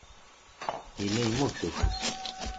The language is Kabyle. Yella yemmug s ufus.